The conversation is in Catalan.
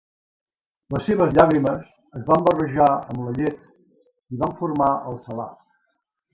Les seves llàgrimes es van barrejar amb la llet i van formar el Salar.